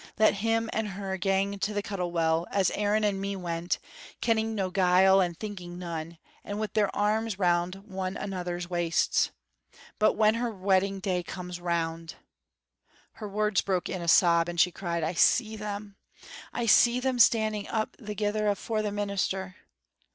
Let her and him gang to the Cuttle Well, as Aaron and me went, kenning no guile and thinking none, and with their arms round one another's waists. But when her wedding day comes round " Her words broke in a sob and she cried: "I see them, I see them standing up thegither afore the minister!